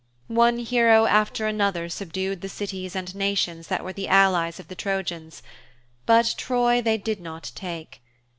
One hero after another subdued the cities and nations that were the allies of the Trojans, but Troy they did not take.